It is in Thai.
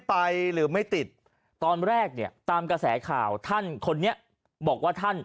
ไปหรือไม่ติดตอนแรกเนี่ยตามกระแสข่าวท่านคนนี้บอกว่าท่าน